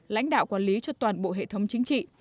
lãnh đạo quản lý cho toàn bộ hệ thống chính trị